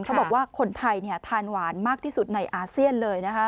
เขาบอกว่าคนไทยทานหวานมากที่สุดในอาเซียนเลยนะคะ